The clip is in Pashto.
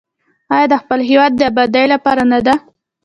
آیا د خپل هیواد د ابادۍ لپاره نه ده؟